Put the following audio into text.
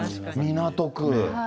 港区。